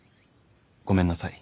ごめんなさい。